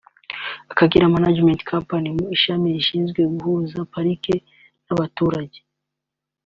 (Akagera Management Company) mu ishami rishinzwe guhuza Parike n’abaturage